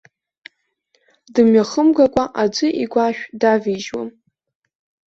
Дымҩахымгакәа аӡәы игәашә давижьуам.